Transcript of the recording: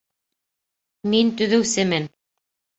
Мин төҙөүсемен